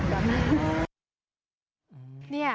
ชนตรงสอง